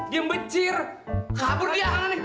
dia becir kabur dia